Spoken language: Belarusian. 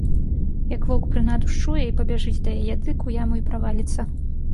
Як воўк прынаду счуе і пабяжыць да яе, дык у яму і праваліцца.